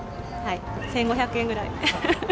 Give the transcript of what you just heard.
１５００円ぐらい。